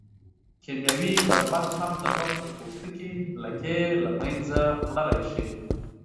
کیمیاوي درمل هم د مخ د پوستکي لکې له منځه وړلی شي.